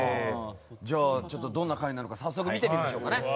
どんな回なのか早速見てみましょうか。